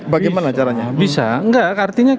bagaimana caranya bisa enggak artinya